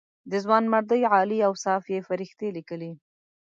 د ځوانمردۍ عالي اوصاف یې فرښتې لیکلې.